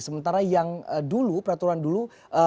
sementara yang dulu peraturan dulu